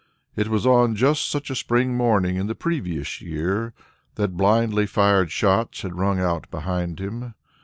It was on just such a spring morning in the previous year that blindly fired shots had rung out behind him.